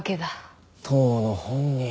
当の本人。